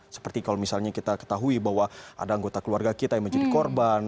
seperti kalau misalnya kita ketahui bahwa ada anggota keluarga kita yang menjadi korban